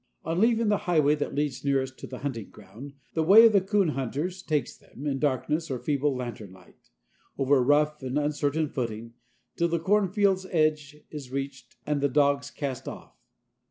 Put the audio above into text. On leaving the highway that leads nearest to the hunting ground, the way of the coon hunters takes them, in darkness or feeble lantern light, over rough and uncertain footing, till the cornfield's edge is reached and the dogs cast off.